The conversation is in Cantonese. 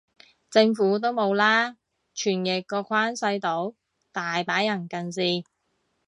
政府都冇啦，傳譯個框細到，大把人近視